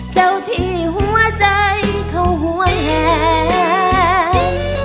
เจ้าที่หัวใจเขาหวยแหง